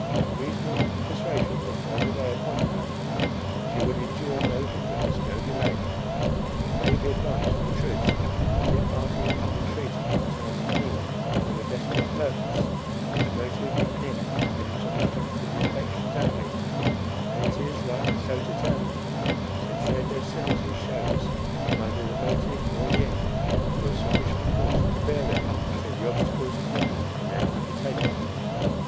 Reasoning and persuasion were thrown away upon her; she would endure no hindrance, no delay. It may be advanced for a truth, that, if argument or entreaty can turn any one from a desperate purpose, whose motive and end depends on the strength of the affections only, then it is right so to turn them, since their docility shews, that neither the motive nor the end were of sufficient force to bear them through the obstacles attendant on their undertaking.